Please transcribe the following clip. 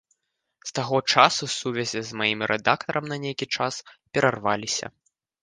З таго часу сувязі з маім рэдактарам на нейкі час перарваліся.